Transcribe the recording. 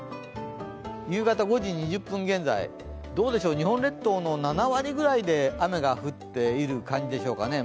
夕方５時２０分現在どうでしょう、日本列島の７割ぐらいで雨が降っている感じでしょうかね。